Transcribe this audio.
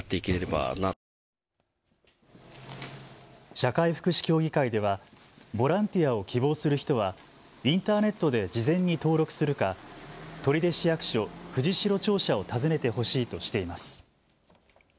社会福祉協議会ではボランティアを希望する人はインターネットで事前に登録するか取手市役所藤代庁舎を訪ねてほしいとしています。